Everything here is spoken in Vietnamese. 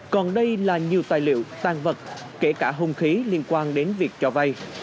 còn đây là nhiều tài liệu tàn vật kể cả hôn khí liên quan đến việc cho vay